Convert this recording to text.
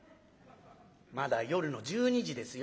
「まだ夜の１２時ですよ。